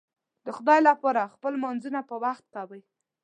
د خدای لپاره خپل لمونځونه پر وخت کوئ